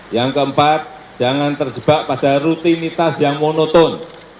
yang keempat jangan terjebak pada rutinitas yang monoton